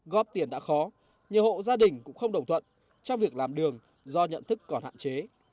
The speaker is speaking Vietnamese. góp tiền đã khó nhiều hộ gia đình cũng không đồng thuận trong việc làm đường do nhận thức còn hạn chế